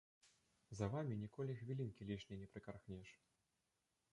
За вамі ніколі хвілінкі лішняй не прыкархнеш.